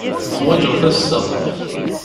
Ḥwaǧeɣ-t assa.